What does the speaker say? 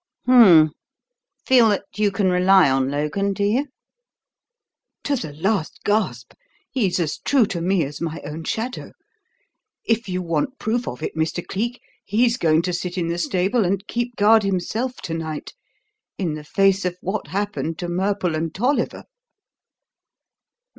"Hum m m! Feel that you can rely on Logan, do you?" "To the last gasp. He's as true to me as my own shadow. If you want proof of it, Mr. Cleek, he's going to sit in the stable and keep guard himself to night in the face of what happened to Murple and Tolliver."